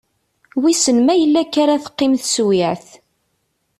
Wissen ma yella akka ara teqqim teswiɛt.